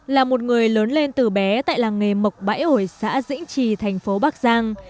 là một người lớn lên từ bé tại làng nghề mộc bãi ổi xã dĩnh trì thành phố bắc giang